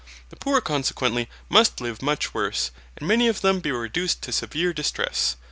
The poor consequently must live much worse, and many of them be reduced to severe distress.